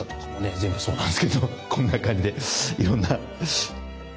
全部そうなんですけどこんな感じでいろんな色が。